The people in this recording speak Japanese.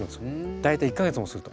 大体１か月もすると。